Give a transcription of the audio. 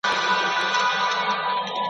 او په پراخ ډول يې سرکوب کول پيل کړل